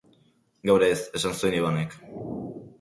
Gaur ez, esan zuen Ivanek.